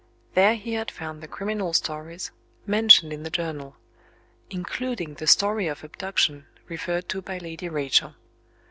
There he had found the "criminal stories" mentioned in the journal including the story of abduction referred to by Lady Rachel.